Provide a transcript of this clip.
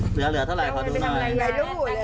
เหลือเหลือเท่าไหร่ขอดูหน่อย